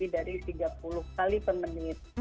dari tiga puluh kali per menit